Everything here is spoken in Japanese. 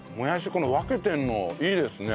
この分けてるのいいですね。